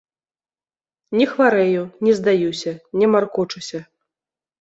Не хварэю, не здаюся, не маркочуся.